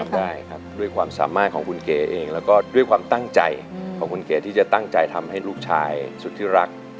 ได้ครับด้วยความสามารถของคุณเก๋เองแล้วก็ด้วยความตั้งใจของคุณเก๋ที่จะตั้งใจทำให้ลูกชายสุดที่รัก